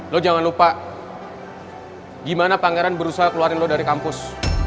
lo jangan lupa gimana pangeran berusaha keluarin lo dari kampus